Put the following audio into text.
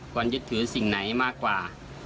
ยึดถือสิ่งไหนมากกว่า